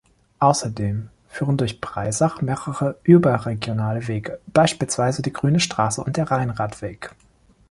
Außerdem führen durch Breisach mehrere überregionale Wege, beispielsweise die Grüne Straße und der Rheinradweg.